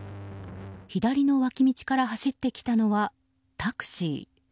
左の脇道から走ってきたのはタクシー。